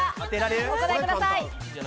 お答えください。